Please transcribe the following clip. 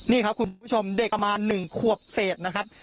นี่ครับคุณผู้ชมเด็กประมาณ๑ขวบเศษนะครับ